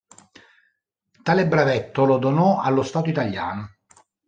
Tale brevetto lo donò allo Stato Italiano.